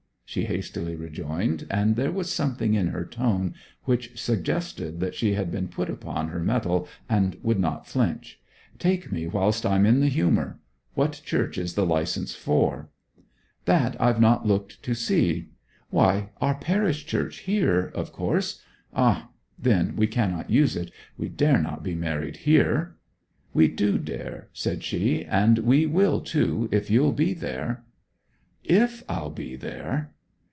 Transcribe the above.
she hastily rejoined; and there was something in her tone which suggested that she had been put upon her mettle and would not flinch. 'Take me whilst I am in the humour. What church is the licence for?' 'That I've not looked to see why our parish church here, of course. Ah, then we cannot use it! We dare not be married here.' 'We do dare,' said she. 'And we will too, if you'll be there.' 'If I'll be there!'